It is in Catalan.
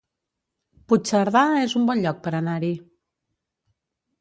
Puigcerdà es un bon lloc per anar-hi